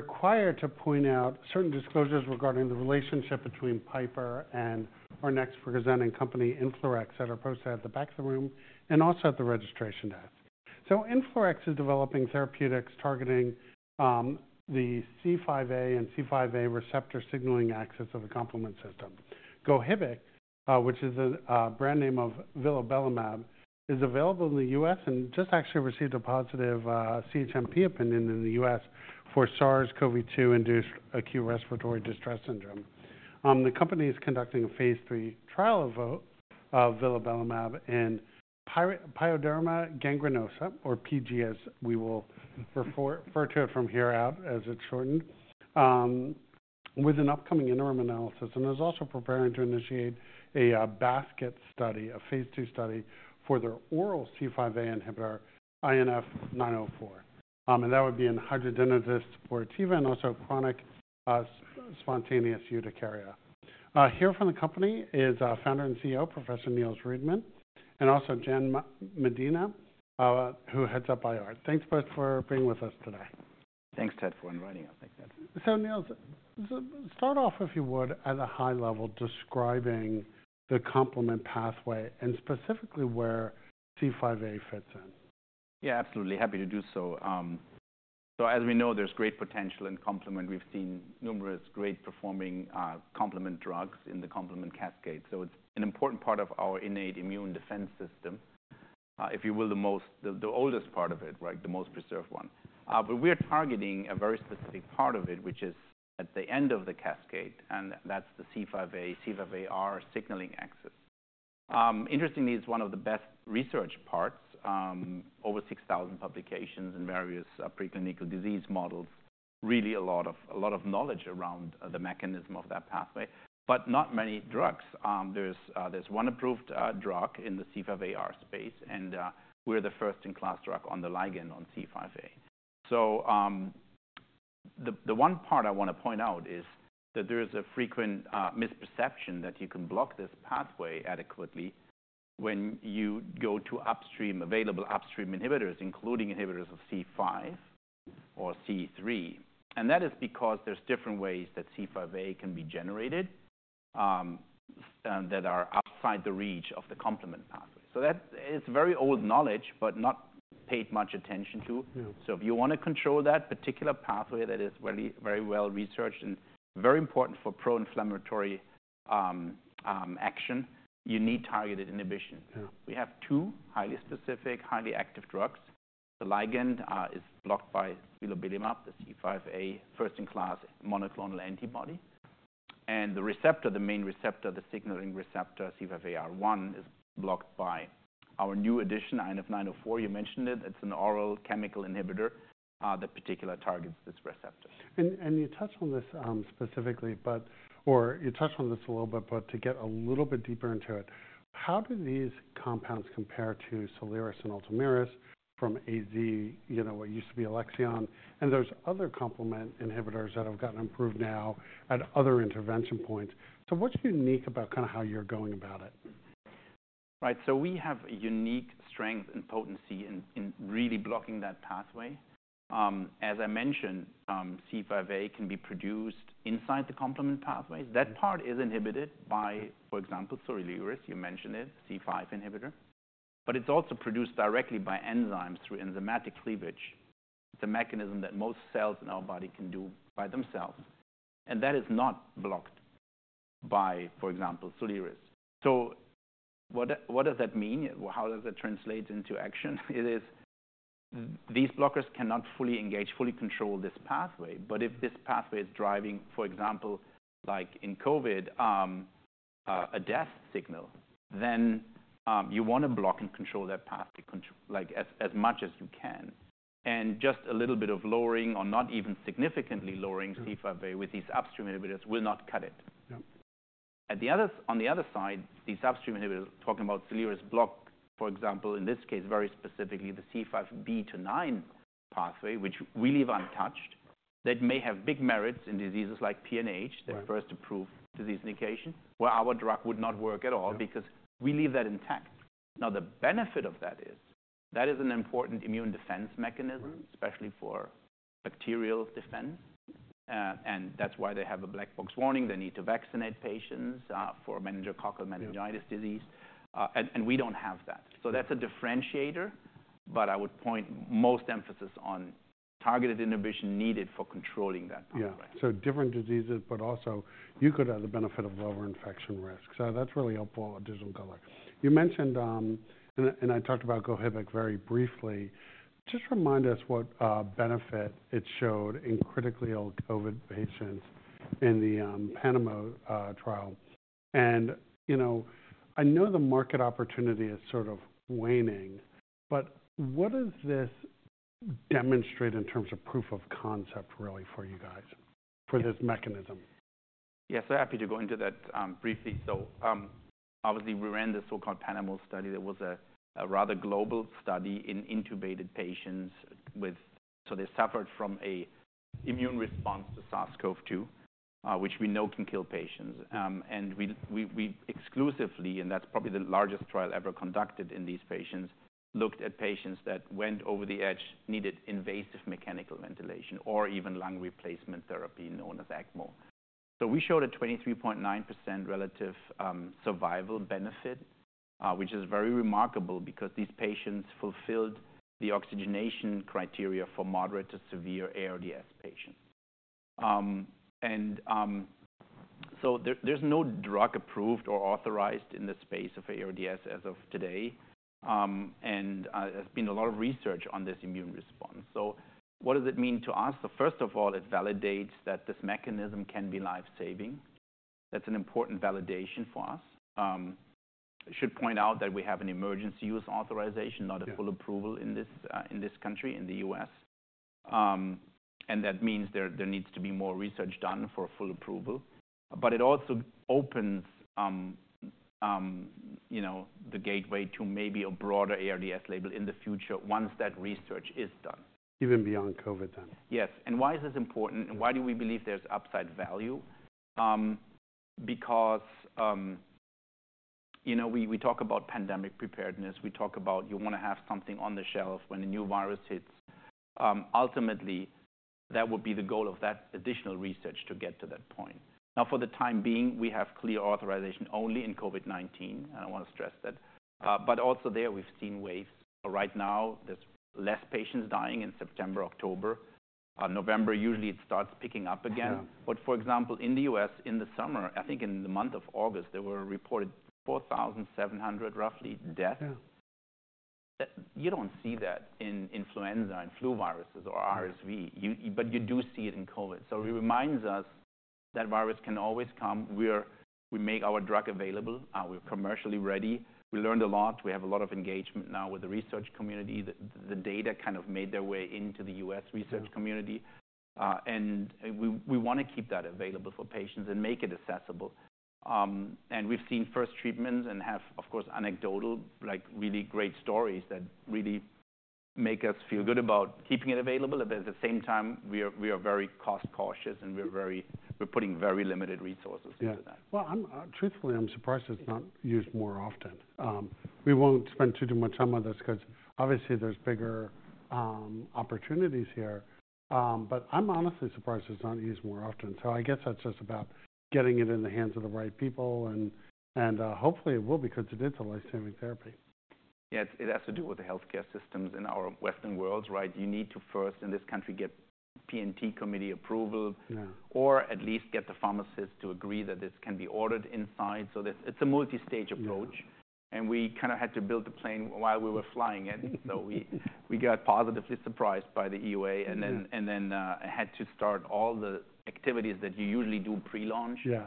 I'm required to point out certain disclosures regarding the relationship between Piper and our next presenting company, InflaRx, at our post at the back of the room and also at the registration desk. So InflaRx is developing therapeutics targeting the C5a and C5a receptor signaling axis of the complement system. GOHIBIC, which is a brand name of vilobelimab, is available in the U.S. and just actually received a positive CHMP opinion in the U.S. for SARS-CoV-2-induced acute respiratory distress syndrome. The company is conducting a Phase III trial of vilobelimab in pyoderma gangrenosum, or PG as we will refer to it from here out as it's shortened, with an upcoming interim analysis. And it's also preparing to initiate a basket study, a Phase II study for their oral C5a inhibitor, INF904. And that would be in hidradenitis suppurativa and also chronic spontaneous urticaria. Here from the company is founder and CEO, Professor Niels Riedemann, and also Jan Medina, who heads up IR. Thanks both for being with us today. Thanks, Ted, for inviting us. Thanks, Ted. So Niels, start off, if you would, at a high level, describing the complement pathway and specifically where C5a fits in. Yeah, absolutely. Happy to do so. So as we know, there's great potential in complement. We've seen numerous great performing complement drugs in the complement cascade. So it's an important part of our innate immune defense system, if you will, the oldest part of it, right, the most preserved one. But we are targeting a very specific part of it, which is at the end of the cascade, and that's the C5a, C5aR signaling axis. Interestingly, it's one of the best researched parts, over 6,000 publications in various preclinical disease models, really a lot of knowledge around the mechanism of that pathway, but not many drugs. There's one approved drug in the C5aR space, and we're the first-in-class drug on the ligand on C5a. So the one part I want to point out is that there is a frequent misperception that you can block this pathway adequately when you go to upstream available inhibitors, including inhibitors of C5 or C3. And that is because there's different ways that C5a can be generated that are outside the reach of the complement pathway. So that is very old knowledge, but not paid much attention to. So if you want to control that particular pathway that is very well researched and very important for pro-inflammatory action, you need targeted inhibition. We have two highly specific, highly active drugs. The ligand is blocked by vilobelimab, the C5a first-in-class monoclonal antibody. And the receptor, the main receptor, the signaling receptor C5aR1 is blocked by our new addition, INF904. You mentioned it. It's an oral chemical inhibitor that particularly targets this receptor. You touched on this a little bit, but to get a little bit deeper into it, how do these compounds compare to Soliris and Ultomiris from AZ, you know, what used to be Alexion, and those other complement inhibitors that have gotten approved now at other intervention points? What's unique about kind of how you're going about it? Right, so we have a unique strength and potency in really blocking that pathway. As I mentioned, C5a can be produced inside the complement pathways. That part is inhibited by, for example, Soliris, you mentioned it, C5 inhibitor. But it's also produced directly by enzymes through enzymatic cleavage. It's a mechanism that most cells in our body can do by themselves, and that is not blocked by, for example, Soliris. So what does that mean? How does it translate into action? These blockers cannot fully engage, fully control this pathway. But if this pathway is driving, for example, like in COVID, a death signal, then you want to block and control that path like as much as you can, and just a little bit of lowering or not even significantly lowering C5a with these upstream inhibitors will not cut it. Yeah. On the other side, these upstream inhibitors, talking about Soliris, block, for example, in this case, very specifically the C5b-9 pathway, which we leave untouched, that may have big merits in diseases like PNH, the first approved disease indication, where our drug would not work at all because we leave that intact. Now, the benefit of that is that an important immune defense mechanism, especially for bacterial defense. And that's why they have a black box warning. They need to vaccinate patients for meningococcal meningitis disease. And we don't have that. So that's a differentiator. But I would point most emphasis on targeted inhibition needed for controlling that pathway. Yeah. So different diseases, but also you could have the benefit of lower infection risk. So that's really helpful. Did you get it? You mentioned, and I talked about GOHIBIC very briefly. Just remind us what benefit it showed in critically ill COVID patients in the PANAMA trial. And, you know, I know the market opportunity is sort of waning, but what does this demonstrate in terms of proof of concept, really, for you guys, for this mechanism? Yeah. So happy to go into that briefly. So obviously, we ran the so-called PANAMO Study. There was a rather global study in intubated patients with, so they suffered from an immune response to SARS-CoV-2, which we know can kill patients. And we exclusively, and that's probably the largest trial ever conducted in these patients, looked at patients that went over the edge, needed invasive mechanical ventilation or even lung replacement therapy known as ECMO. So we showed a 23.9% relative survival benefit, which is very remarkable because these patients fulfilled the oxygenation criteria for moderate to severe ARDS patients. And so there's no drug approved or authorized in the space of ARDS as of today. And there's been a lot of research on this immune response. So what does it mean to us? So first of all, it validates that this mechanism can be lifesaving. That's an important validation for us. I should point out that we have an emergency use authorization, not a full approval in this country, in the U.S., and that means there needs to be more research done for full approval, but it also opens, you know, the gateway to maybe a broader ARDS label in the future once that research is done. Even beyond COVID then. Yes. And why is this important? And why do we believe there's upside value? Because, you know, we talk about pandemic preparedness. We talk about you want to have something on the shelf when a new virus hits. Ultimately, that would be the goal of that additional research to get to that point. Now, for the time being, we have clear authorization only in COVID-19. I don't want to stress that. But also there, we've seen waves. Right now, there's less patients dying in September, October. November, usually it starts picking up again. But for example, in the U.S., in the summer, I think in the month of August, there were reported roughly 4,700 deaths. You don't see that in influenza and flu viruses or RSV, but you do see it in COVID. So it reminds us that virus can always come. We make our drug available. We're commercially ready. We learned a lot. We have a lot of engagement now with the research community. The data kind of made their way into the U.S. research community, and we want to keep that available for patients and make it accessible, and we've seen first treatments and have, of course, anecdotal, like really great stories that really make us feel good about keeping it available. At the same time, we are very cost-cautious and we're putting very limited resources into that. Yeah, well, truthfully, I'm surprised it's not used more often. We won't spend too much time on this because obviously there's bigger opportunities here, but I'm honestly surprised it's not used more often, so I guess that's just about getting it in the hands of the right people, and hopefully it will because it is a lifesaving therapy. Yeah. It has to do with the healthcare systems in our Western world, right? You need to first, in this country, get P&T Committee approval or at least get the pharmacist to agree that this can be ordered inside. So it's a multi-stage approach. And we kind of had to build the plane while we were flying it. So we got positively surprised by the EUA and then had to start all the activities that you usually do pre-launch. Yeah.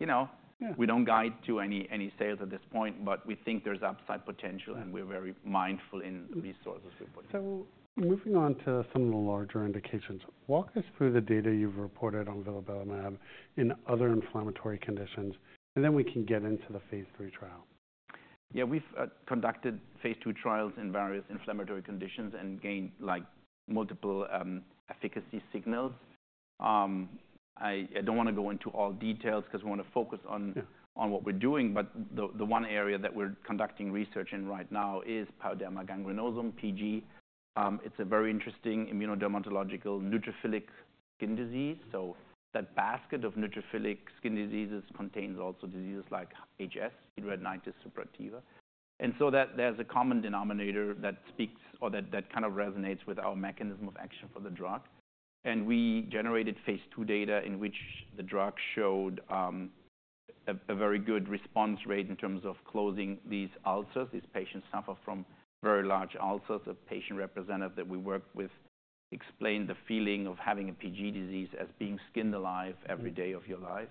You know, we don't guide to any sales at this point, but we think there's upside potential and we're very mindful in the resources we put in. Moving on to some of the larger indications, walk us through the data you've reported on vilobelimab in other inflammatory conditions, and then we can get into the Phase III trial. Yeah. We've conducted Phase II trials in various inflammatory conditions and gained like multiple efficacy signals. I don't want to go into all details because we want to focus on what we're doing. But the one area that we're conducting research in right now is pyoderma gangrenosum, PG. It's a very interesting immunodermatological neutrophilic skin disease. So that basket of neutrophilic skin diseases contains also diseases like HS, hidradenitis suppurativa. And so there's a common denominator that speaks or that kind of resonates with our mechanism of action for the drug. And we generated Phase II data in which the drug showed a very good response rate in terms of closing these ulcers. These patients suffer from very large ulcers. A patient representative that we worked with explained the feeling of having a PG disease as being skinned alive every day of your life.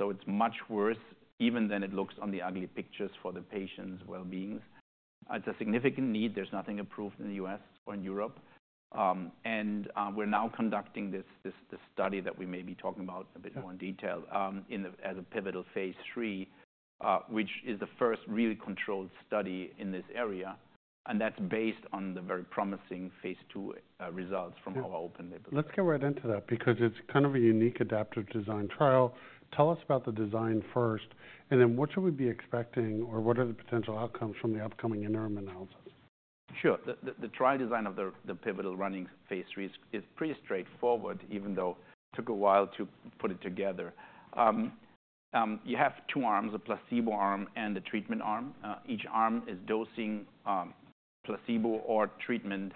It's much worse even than it looks on the ugly pictures for the patient's well-being. It's a significant need. There's nothing approved in the U.S. or in Europe. We're now conducting this study that we may be talking about a bit more in detail as a pivotal Phase III, which is the first really controlled study in this area. That's based on the very promising Phase II results from our open label. Let's get right into that because it's kind of a unique adaptive design trial. Tell us about the design first. And then what should we be expecting or what are the potential outcomes from the upcoming interim analysis? Sure. The trial design of the pivotal running Phase III is pretty straightforward, even though it took a while to put it together. You have two arms, a placebo arm and a treatment arm. Each arm is dosing placebo or treatment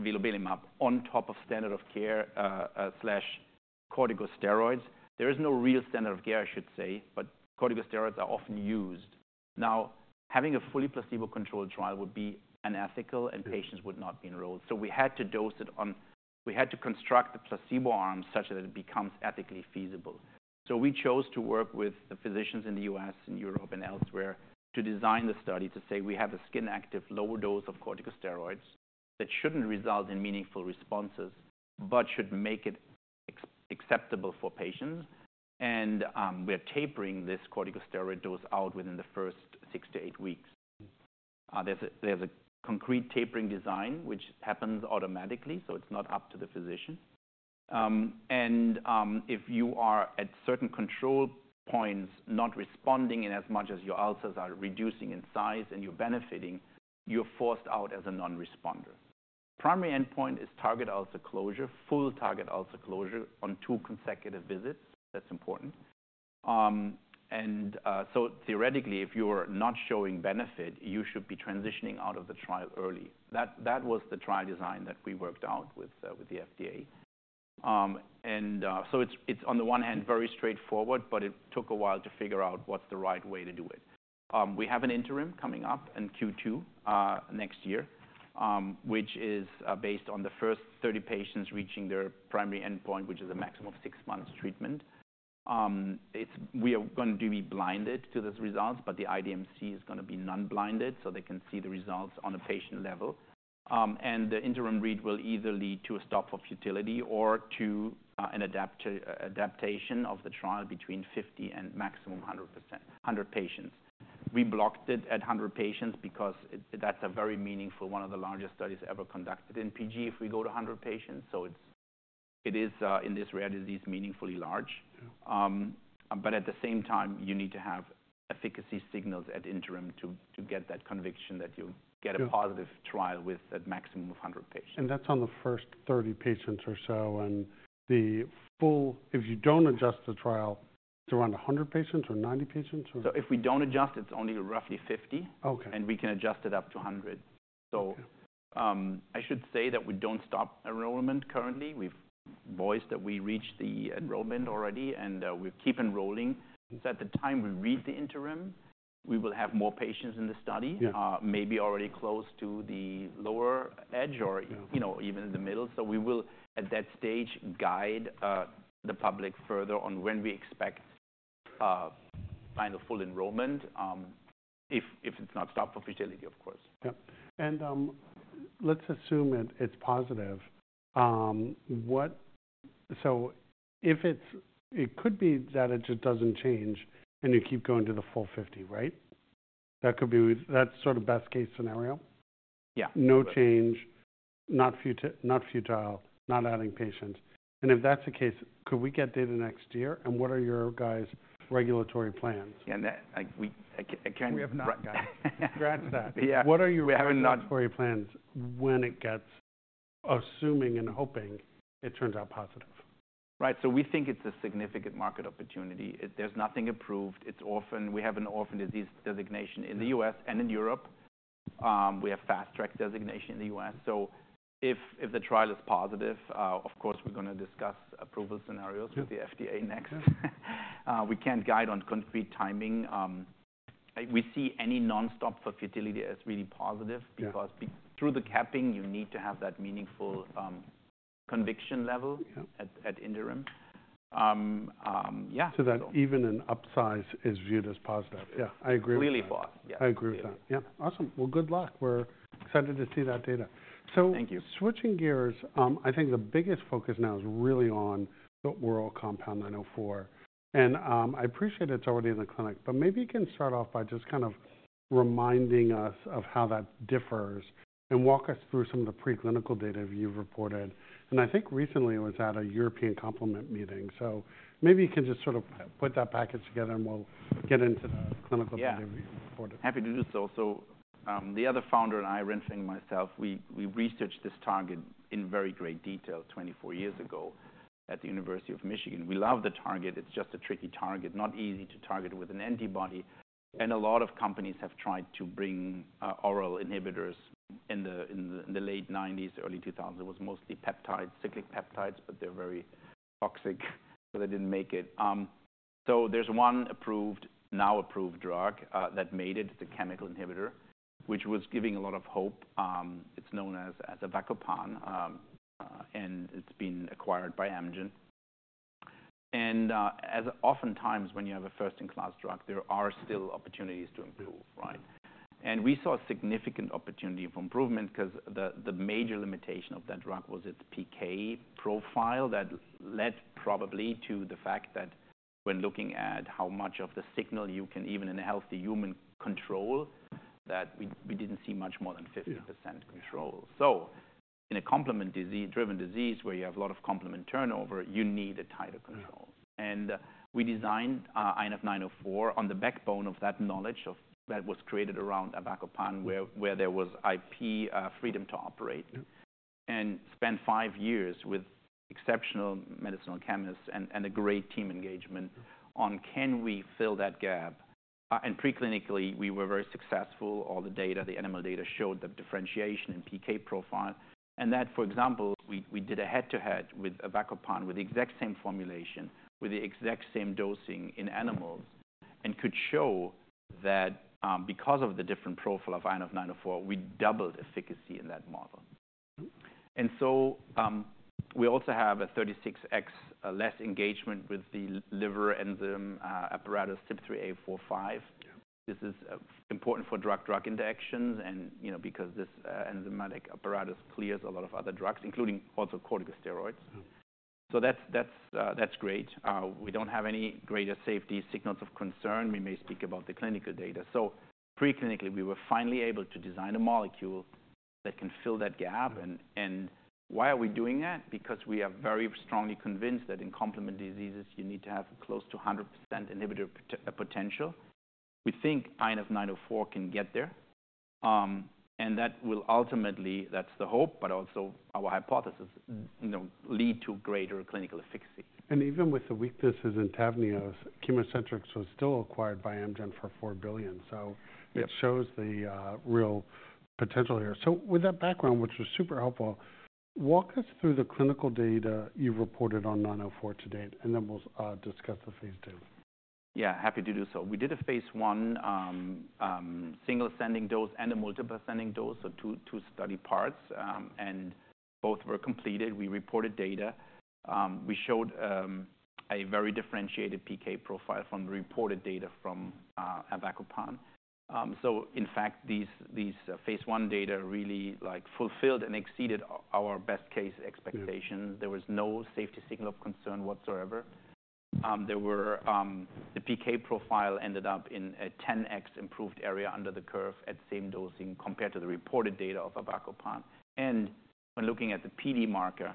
vilobelimab on top of standard of care, corticosteroids. There is no real standard of care, I should say, but corticosteroids are often used. Now, having a fully placebo-controlled trial would be unethical and patients would not be enrolled. So we had to dose it on, we had to construct the placebo arm such that it becomes ethically feasible. So we chose to work with the physicians in the U.S. and Europe and elsewhere to design the study to say we have a skin-active lower dose of corticosteroids that shouldn't result in meaningful responses, but should make it acceptable for patients. We're tapering this corticosteroid dose out within the first six to eight weeks. There's a concrete tapering design, which happens automatically, so it's not up to the physician. If you are at certain control points not responding and as much as your ulcers are reducing in size and you're benefiting, you're forced out as a non-responder. Primary endpoint is target ulcer closure, full target ulcer closure on two consecutive visits. That's important. Theoretically, if you're not showing benefit, you should be transitioning out of the trial early. That was the trial design that we worked out with the FDA. It's on the one hand very straightforward, but it took a while to figure out what's the right way to do it. We have an interim coming up in Q2 next year, which is based on the first 30 patients reaching their primary endpoint, which is a maximum of six months treatment. We are going to be blinded to these results, but the IDMC is going to be non-blinded so they can see the results on a patient level, and the interim read will either lead to a stop of futility or to an adaptation of the trial between 50 and maximum 100 patients. We blocked it at 100 patients because that's a very meaningful, one of the largest studies ever conducted in PG. If we go to 100 patients, so it is in this rare disease meaningfully large, but at the same time, you need to have efficacy signals at interim to get that conviction that you get a positive trial with that maximum of 100 patients. That's on the first 30 patients or so. The full, if you don't adjust the trial, it's around 100 patients or 90 patients? So if we don't adjust, it's only roughly 50. Okay. And we can adjust it up to 100. So I should say that we don't stop enrollment currently. We've voiced that we reached the enrollment already and we keep enrolling. So at the time we read the interim, we will have more patients in the study, maybe already close to the lower edge or, you know, even in the middle. So we will at that stage guide the public further on when we expect final full enrollment if it's not stop of futility, of course. Yeah, and let's assume it's positive. So if it's, it could be that it just doesn't change and you keep going to the full 50, right? That could be, that's sort of best case scenario. Yeah. No change, not futile, not adding patients. And if that's the case, could we get data next year? And what are your guys' regulatory plans? Yeah. We have not granted that. What are your regulatory plans when it gets, assuming and hoping it turns out positive? Right. So we think it's a significant market opportunity. There's nothing approved. It's orphan. We have an orphan disease designation in the U.S. and in Europe. We have fast track designation in the U.S. So if the trial is positive, of course, we're going to discuss approval scenarios with the FDA next. We can't guide on concrete timing. We see any non-stop for futility as really positive because through the capping, you need to have that meaningful conviction level at interim. So that even an upside is viewed as positive. Yeah. I agree with that. Really positive. Yeah. I agree with that. Yeah. Awesome. Well, good luck. We're excited to see that data. Thank you. So switching gears, I think the biggest focus now is really on the oral compound INF904. And I appreciate it's already in the clinic, but maybe you can start off by just kind of reminding us of how that differs and walk us through some of the preclinical data you've reported. And I think recently it was at a European complement meeting. So maybe you can just sort of put that package together and we'll get into the clinical data you've reported. Happy to do so. The other founder and I, Renfeng and myself, researched this target in very great detail 24 years ago at the University of Michigan. We love the target. It's just a tricky target, not easy to target with an antibody. A lot of companies have tried to bring oral inhibitors in the late 1990s, early 2000s. It was mostly peptides, cyclic peptides, but they're very toxic, so they didn't make it. There's one approved, now approved drug that made it. It's a chemical inhibitor, which was giving a lot of hope. It's known as avacopan. It's been acquired by Amgen. As oftentimes when you have a first-in-class drug, there are still opportunities to improve, right? And we saw a significant opportunity for improvement because the major limitation of that drug was its PK profile that led probably to the fact that when looking at how much of the signal you can even in a healthy human control, that we didn't see much more than 50% control. So in a complement-driven disease where you have a lot of complement turnover, you need a tighter control. And we designed INF904 on the backbone of that knowledge that was created around avacopan, where there was IP freedom to operate, and spent five years with exceptional medicinal chemists and a great team engagement on can we fill that gap. And preclinically, we were very successful. All the data, the animal data showed the differentiation in PK profile. That, for example, we did a head-to-head with avacopan, with the exact same formulation, with the exact same dosing in animals, and could show that because of the different profile of INF904, we doubled efficacy in that model. And so we also have a 36x less engagement with the liver enzyme apparatus, CYP3A4/5. This is important for drug-drug interactions and, you know, because this enzymatic apparatus clears a lot of other drugs, including also corticosteroids. So that's great. We don't have any greater safety signals of concern. We may speak about the clinical data. So preclinically, we were finally able to design a molecule that can fill that gap. And why are we doing that? Because we are very strongly convinced that in complement diseases, you need to have close to 100% inhibitor potential. We think INF904 can get there. That will ultimately, that's the hope, but also our hypothesis, you know, lead to greater clinical efficacy. Even with the weaknesses in Tavneos, ChemoCentryx was still acquired by Amgen for $4 billion. It shows the real potential here. With that background, which was super helpful, walk us through the clinical data you've reported on 904 to date, and then we'll discuss the Phase II. Yeah. Happy to do so. We did a Phase I single ascending dose and a multiple ascending dose, so two study parts, and both were completed. We reported data. We showed a very differentiated PK profile from the reported data from avacopan. So in fact, these Phase I data really like fulfilled and exceeded our best case expectations. There was no safety signal of concern whatsoever. The PK profile ended up with a 10x improved area under the curve at same dosing compared to the reported data of avacopan. And when looking at the PD marker,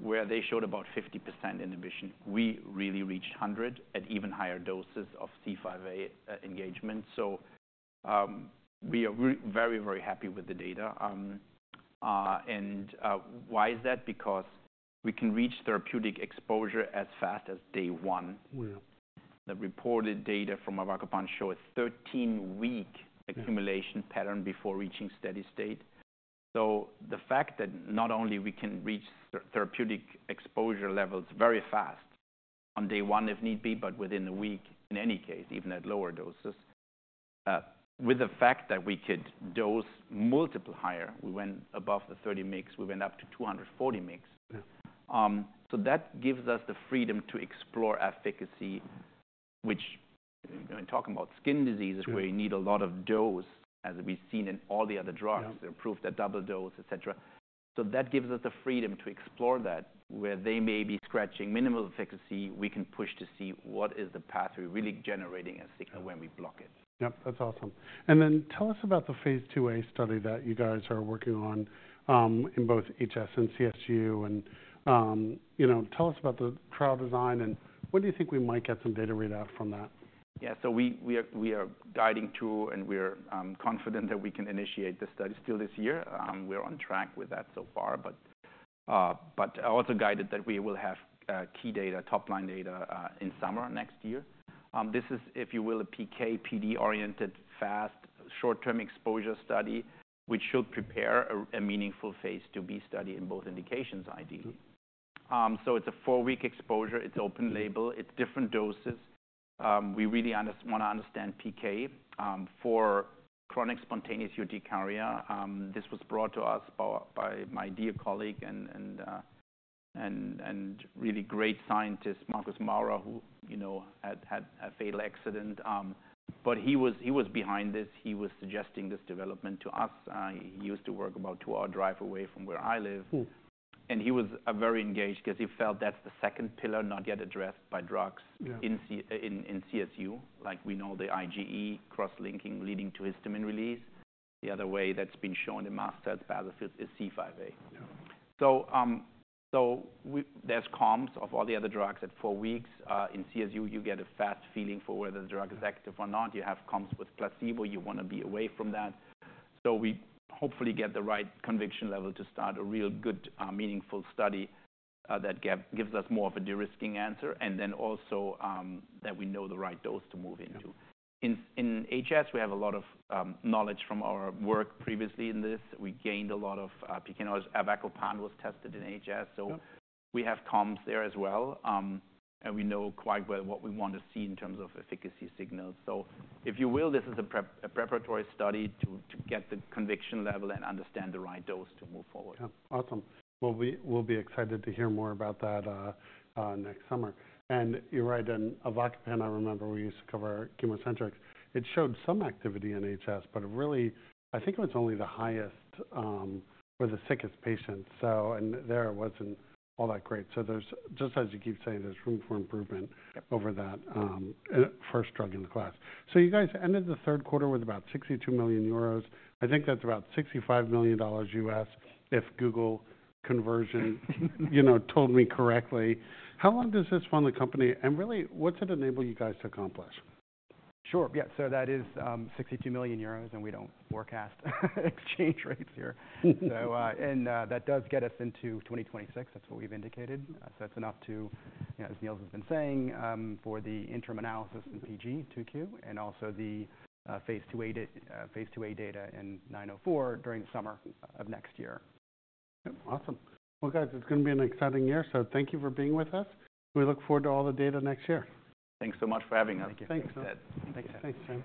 where they showed about 50% inhibition, we really reached 100 at even higher doses of C5a engagement. So we are very, very happy with the data. And why is that? Because we can reach therapeutic exposure as fast as day one. The reported data from avacopan show a 13-week accumulation pattern before reaching steady state. So the fact that not only we can reach therapeutic exposure levels very fast on day one if need be, but within a week in any case, even at lower doses, with the fact that we could dose multiple higher, we went above the 30 mg, we went up to 240 mg. So that gives us the freedom to explore efficacy, which when talking about skin diseases where you need a lot of dose, as we've seen in all the other drugs, they're approved at double dose, et cetera. So that gives us the freedom to explore that where they may be scratching minimal efficacy, we can push to see what is the pathway really generating a signal when we block it. Yep. That's awesome. And then tell us about the Phase IIa study that you guys are working on in both HS and CSU. And you know, tell us about the trial design and when do you think we might get some data readout from that? Yeah. So we are guiding through and we're confident that we can initiate the study still this year. We're on track with that so far, but also guided that we will have key data, top line data in summer next year. This is, if you will, a PK, PD oriented, fast, short-term exposure study, which should prepare a meaningful Phase IIb study in both indications i.e. So it's a four-week exposure. It's open label. It's different doses. We really want to understand PK. For chronic spontaneous urticaria, this was brought to us by my dear colleague and really great scientist, Marcus Maurer, who, you know, had a fatal accident. But he was behind this. He was suggesting this development to us. He used to work about a two-hour drive away from where I live. And he was very engaged because he felt that's the second pillar not yet addressed by drugs in CSU. Like we know the IgE cross-linking leading to histamine release. The other way that's been shown in mast cells, basophils, is C5a. So there's comps of all the other drugs at four weeks. In CSU, you get a fast feeling for whether the drug is active or not. You have comps with placebo. You want to be away from that. So we hopefully get the right conviction level to start a real good, meaningful study that gives us more of a de-risking answer and then also that we know the right dose to move into. In HS, we have a lot of knowledge from our work previously in this. We gained a lot. Avacopan was tested in HS. So we have comps there as well. And we know quite well what we want to see in terms of efficacy signals. So if you will, this is a preparatory study to get the conviction level and understand the right dose to move forward. Awesome. We'll be excited to hear more about that next summer. You're right. Avacopan, I remember we used to cover ChemoCentryx. It showed some activity in HS, but it really, I think it was only the highest or the sickest patient. There it wasn't all that great. There's, just as you keep saying, there's room for improvement over that first drug in the class. You guys ended the third quarter with about 62 million euros. I think that's about $65 million U.S. if Google conversion, you know, told me correctly. How long does this fund the company? Really, what's it enable you guys to accomplish? Sure. Yeah. So that is 62 million euros and we don't forecast exchange rates here, and that does get us into 2026. That's what we've indicated, so it's enough to, as Neil has been saying, for the interim analysis in PG2Q and also the Phase IIa data in 904 during the summer of next year. Awesome. Well, guys, it's going to be an exciting year. So thank you for being with us. We look forward to all the data next year. Thanks so much for having us. Thanks. Thanks.